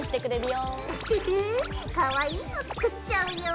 うふふかわいいの作っちゃうよ！